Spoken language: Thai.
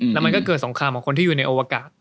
แล้วมันก็เกิดสงครามของคนที่อยู่ในอวกาศ